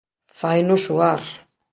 Faino suar.